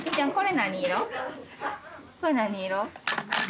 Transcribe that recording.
これ何色？